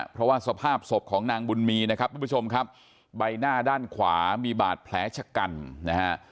เพราะว่าสภาพศพของนางบุญมีนะครับทุกผู้ชมครับใบหน้าด้านขวามีบาดแผลชะกันนะฮะ